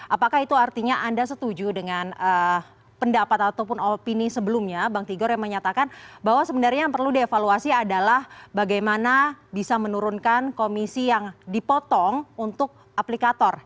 apakah itu artinya anda setuju dengan pendapat ataupun opini sebelumnya bang tigor yang menyatakan bahwa sebenarnya yang perlu dievaluasi adalah bagaimana bisa menurunkan komisi yang dipotong untuk aplikator